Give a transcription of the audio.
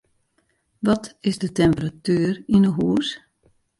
Wat is de temperatuer yn 'e hús?